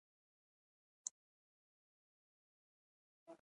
ازادي راډیو د اټومي انرژي په اړه د ځوانانو نظریات وړاندې کړي.